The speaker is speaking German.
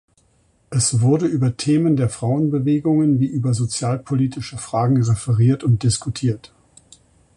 Es wurde über Themen der Frauenbewegungen wie über sozialpolitische Fragen referiert und diskutiert.